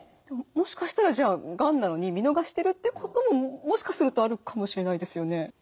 もしかしたらじゃあがんなのに見逃してるってことももしかするとあるかもしれないですよね。